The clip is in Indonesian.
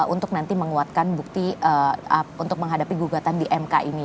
untuk nanti menguatkan bukti untuk menghadapi gugatan di mk ini